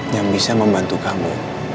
yang bisa membantu kamu